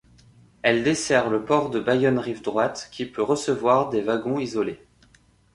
Elle dessert le port de Bayonne-Rive-Droite qui peut recevoir des wagons isolés.